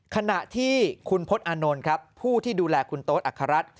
ขณะที่คุณพลตอนนท์ผู้ที่ดูแลคุณโต๊สอัครรัฐ